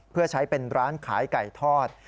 เพื่อใช้เป็นร้านขายไก่ทอด